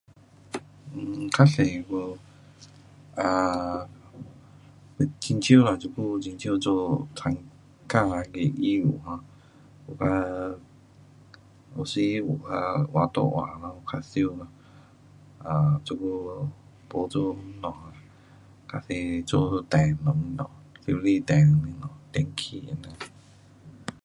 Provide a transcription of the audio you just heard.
较多没，啊，很少啦，这久很少做头天那个艺术，啊，有时，呃，有画图画咯，较少咯，啊，这久没做什么，较多做电什么，修理电，电器器。